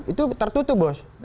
itu tertutup bos